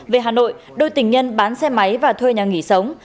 về hà nội đôi tình nhân bán xe máy và thuê nhà nghỉ sống